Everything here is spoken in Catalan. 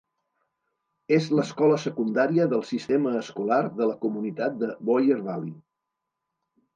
És l'escola secundària del sistema escolar de la comunitat de Boyer Valley.